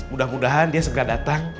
mudah mudahan dia segera datang